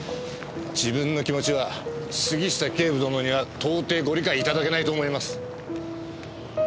自分の気持ちは杉下警部殿には到底ご理解いただけないと思います。